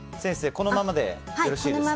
このままでよろしいですか？